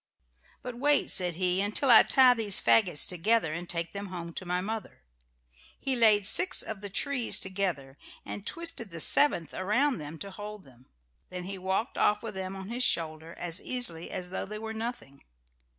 "But wait," said he, "until I tie these fagots together and take them home to my mother." He laid six of the trees together and twisted the seventh around them to hold them. Then he walked off with them on his shoulder as easily as though they were nothing.